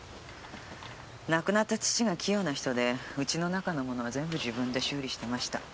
亡くなった父が器用な人で家の中のものは全部自分で修理してました。